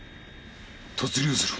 突入する。